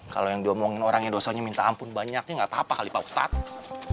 kalau yang diomongin orangnya dosanya minta ampun banyaknya nggak apa apa kali pak ustadz